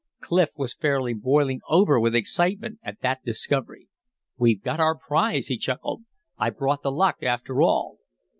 Clif was fairly boiling over with excitement at that discovery. "We've got our prize!" he chuckled. "I brought the luck after all."